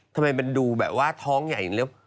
ทำไมมันดูแบบว่าท้องใหญ่อย่างเดียว